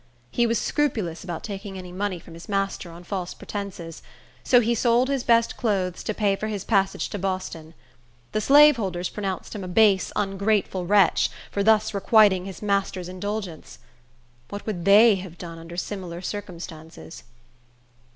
He was scrupulous about taking any money from his master on false pretences; so he sold his best clothes to pay for his passage to Boston. The slaveholders pronounced him a base, ungrateful wretch, for thus requiting his master's indulgence. What would they have done under similar circumstances?